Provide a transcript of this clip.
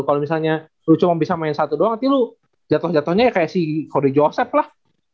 kalau misalnya lu cuma bisa main satu doang nanti lu jatoh jatohnya kayak si corey joseph lah